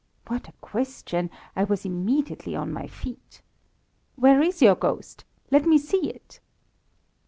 What a question! I was immediately on my feet. "Where's your ghost? Let me see it!"